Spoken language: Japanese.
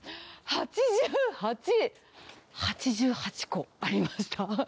８８個ありました。